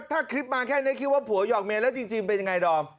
ถ้าคลิปมาแค่นี้คิดว่าผัวหอกเมียแล้วจริงเป็นยังไงดอม